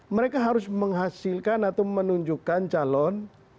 mereka harus menghasilkan atau menunjukkan calon